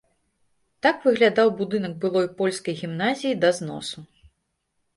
Так выглядаў будынак былой польскай гімназіі да зносу.